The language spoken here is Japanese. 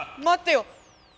待ってよ！